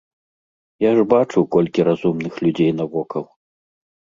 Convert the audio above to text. Я ж бачу, колькі разумных людзей навокал.